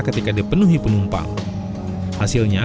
jembatan bentang lrt